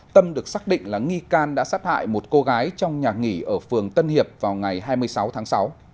tâm được xác định là nghi can đã sát hại một cô gái trong nhà nghỉ ở phường tân hiệp vào ngày hai mươi sáu tháng sáu